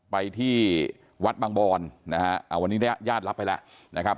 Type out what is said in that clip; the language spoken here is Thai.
ไปที่วัดบางบอนนะฮะวันนี้เนี่ยญาติรับไปแล้วนะครับ